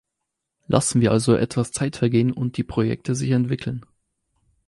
Lassen wir also etwas Zeit vergehen und die Projekte sich entwickeln.